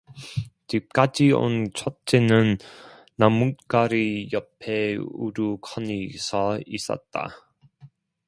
집까지 온 첫째는 나뭇가리 옆에 우두커니 서 있었다.